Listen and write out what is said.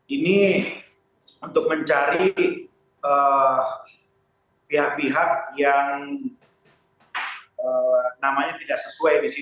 ini untuk mencari pihak pihak yang namanya tidak sesuai